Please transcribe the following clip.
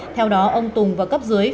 theo đó ông tùng và cấp dưới